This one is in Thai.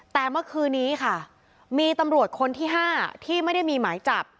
แต่เมื่อคืนนี้ค่ะมีตำรวจคนที่๕ที่ไม่ได้มีหมายจับ